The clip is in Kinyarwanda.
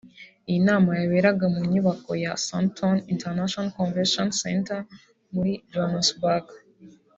Iyi nama yaberaga mu nyubako ya Sandton International Convention Centre muri Johannesburg